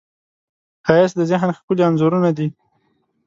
ښایست د ذهن ښکلي انځورونه دي